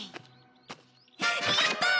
やったー！